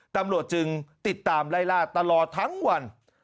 ตำรวจจึงติดตามไล่ล่าตลอดทั้งวัน